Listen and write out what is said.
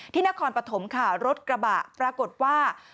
นครปฐมค่ะรถกระบะปรากฏว่า